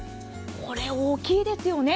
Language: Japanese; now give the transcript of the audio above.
これ、大きいですよね。